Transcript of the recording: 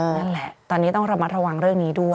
นั่นแหละตอนนี้ต้องระมัดระวังเรื่องนี้ด้วย